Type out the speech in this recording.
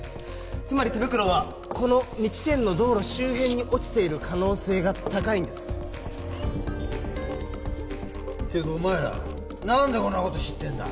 つまり手袋はこの２地点の道路周辺に落ちている可能性が高いんですけどお前ら何でこんなこと知ってんだ？